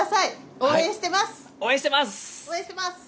応援してます！